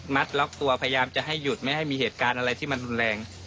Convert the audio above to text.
ล็อกตัวพยายามจะให้หยุดไม่ให้มีเหตุการณ์อะไรที่มันรุนแรง